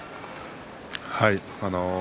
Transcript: はい。